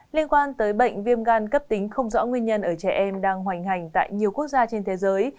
liên quan tới bệnh viêm gan cấp tính không rõ nguyên nhân ở trẻ em đang hoành hành tại nhiều quốc gia trên thế giới